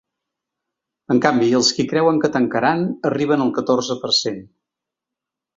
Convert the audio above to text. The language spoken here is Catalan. En canvi, els qui creuen que tancaran arriben al catorze per cent.